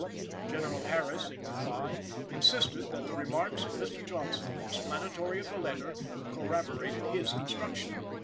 General Harris, in reply, insisted that the remarks of Mr. Johnson, explanatory of the letter, corroborated his construction.